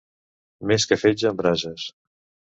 Més que fetge en brases.